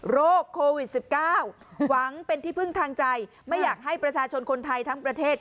โควิด๑๙หวังเป็นที่พึ่งทางใจไม่อยากให้ประชาชนคนไทยทั้งประเทศ